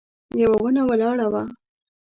يوه ونه ولاړه وه.